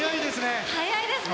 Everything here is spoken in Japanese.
速いですね。